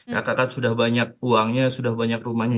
kakak kakak sudah banyak uangnya sudah banyak rumahnya